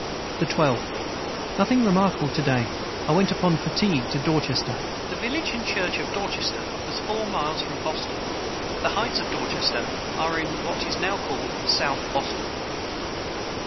the 12. Nothing remarkable to day I went upon fatigue to Dorchester. [Footnote 144: The village and church of Dorchester was four miles from Boston. The heights of Dorchester are in what is now called South Boston.